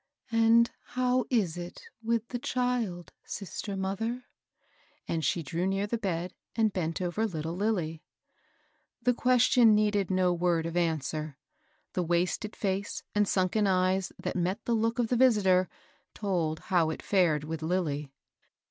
" And how is it with the child, sister mother? *' and she drew near the bed, and bent over little LUly. The question needed no word of answer;, the wasted face and sunken eyes that met the look of the visitor told how it had &red with Lilly.